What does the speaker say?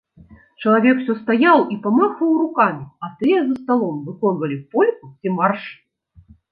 Чалавек усё стаяў і памахваў рукамі, а тыя за сталом выконвалі польку ці марш.